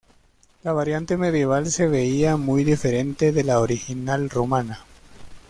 La variante medieval se veía muy diferente de la original romana.